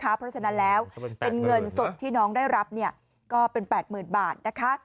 เพราะฉะนั้นแล้วเป็นเงินสดที่น้องได้รับก็เป็น๘๐๐๐บาทนะคะ